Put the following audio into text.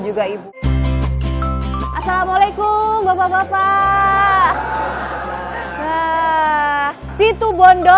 juga ibu assalamualaikum bapak bapak nah situ bondo